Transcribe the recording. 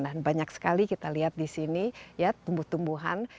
dan banyak sekali kita lihat di sini ya tumbuh tumbuhan